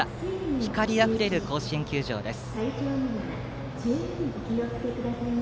光あふれる甲子園球場です。